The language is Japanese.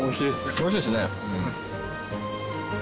美味しいですね。